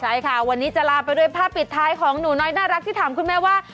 ใช่ค่ะวันนี้จะลาไปด้วยภาพปิดท้ายของหนูน้อยน่ารักที่ถามคุณแม่ว่า